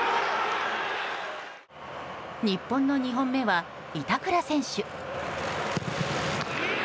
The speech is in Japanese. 日本の２本目は板倉選手。